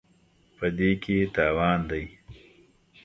په دې کې تاوان دی.